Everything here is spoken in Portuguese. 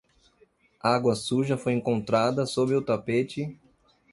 Água suja foi encontrada sob o tapete